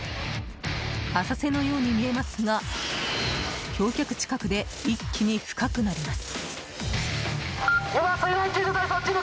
浅瀬のように見えますが橋脚近くで一気に深くなります。